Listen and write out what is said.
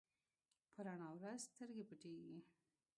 په رڼا ورځ سترګې پټېږي.